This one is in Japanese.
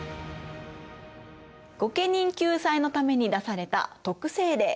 御家人救済のために出された徳政令。